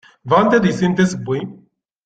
Bɣant ad issinent asewwi.